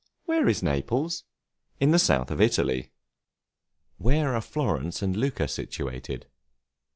Where is Naples? In the South of Italy. Where are Florence and Lucca situated?